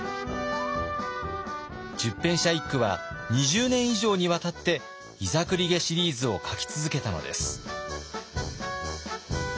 十返舎一九は２０年以上にわたって「膝栗毛シリーズ」を書き続けたのです。